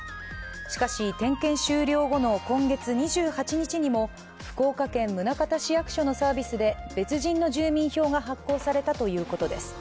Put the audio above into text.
しかし点検終了後の今月２８日にも福岡県宗像市役所のサービスで別人の住民票が発行されたということです。